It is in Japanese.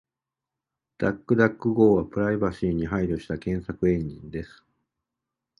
DuckDuckGo はプライバシーに配慮した検索エンジンです。